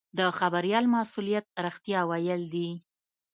د خبریال مسوولیت رښتیا ویل دي.